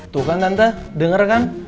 tuh kan tante dengar kan